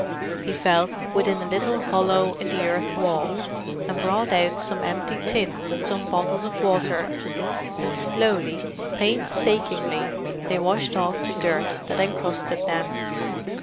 He felt within a little hollow in the earth wall, and brought out some empty tins and some bottles of water; and slowly, painstakingly, they washed off the dirt that encrusted them.